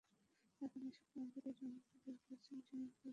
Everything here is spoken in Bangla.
এখন যেসব পয়েন্ট দিয়ে রোহিঙ্গা অনুপ্রবেশ ঘটছে, সেখানেও বিজিবির টহল থাকবে।